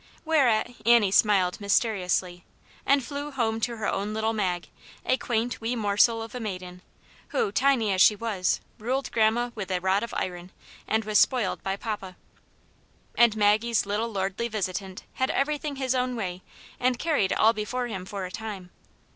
Whereat Annie smiled mysteriously, and flew home to her own little Mag, a quaint, wee morsel of a maiden, who, tiny as she was, ruled grandma with a rod of iron and was spoiled by papa. And Maggie's little lordly visitant had everything his own way, and carried all before him for a time.